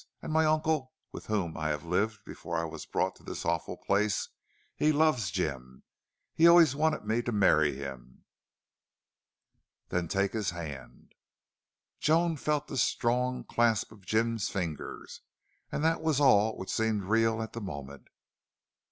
And my uncle, with whom I lived before I was brought to this awful place, he loves Jim. He always wanted me to marry him." "Take his hand, then." Joan felt the strong clasp of Jim's fingers, and that was all which seemed real at the moment.